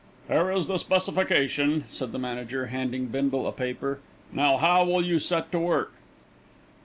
"Here is the specification," said the manager, handing to Bindle a paper. "Now how will you set to work?"